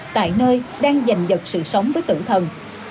tại nơi đang giành dật sự sống với tử thần